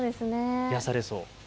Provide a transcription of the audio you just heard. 癒やされそう。